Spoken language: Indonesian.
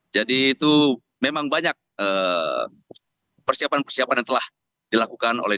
jadi itu memang banyak persiapan persiapan yang telah dilakukan oleh